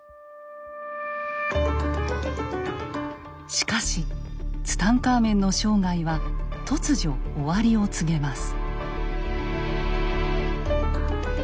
しかしツタンカーメンの生涯は突如終わりを告げます。